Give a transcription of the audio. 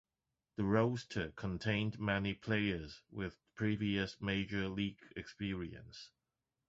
The roster contained many players with previous major league experience.